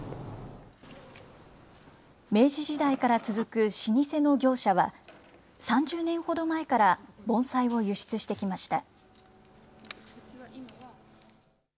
明治時代から続く老舗の業者は、３０年ほど前から盆栽を輸出してきました。